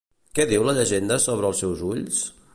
Què diu la llegenda sobre els seus ulls?